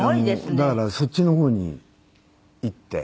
だからそっちの方に行って。